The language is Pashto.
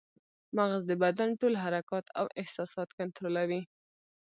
مغز د بدن ټول حرکات او احساسات کنټرولوي